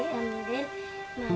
saya tidak tahu